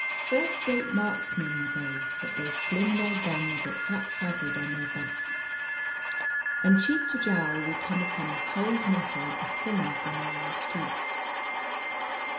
First rate marksmen are they, but they sling their guns at hap hazard on their backs, and cheek to jowl we come upon the cold metal at the corner of the narrow streets.